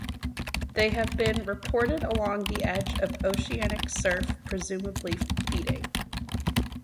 They have been reported along the edge of oceanic surf, presumably feeding.